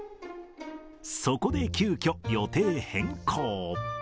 そこで急きょ、予定変更。